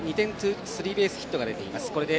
スリーベースヒットが出ています。